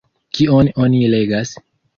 Kion oni legas?